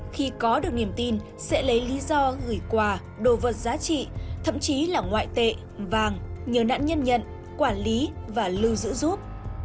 khi có được niềm tin sẽ lấy lý do gửi quà đồ vật giá trị thậm chí là ngoại tệ vàng nhờ nạn nhân nhận quản lý và lưu giữ giúp